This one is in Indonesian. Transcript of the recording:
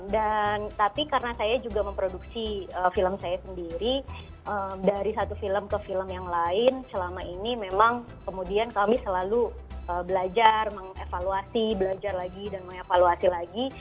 dan tapi karena saya juga memproduksi film saya sendiri dari satu film ke film yang lain selama ini memang kemudian kami selalu belajar mengevaluasi belajar lagi dan mengevaluasi lagi